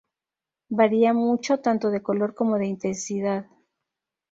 Varía mucho tanto de color como de intensidad.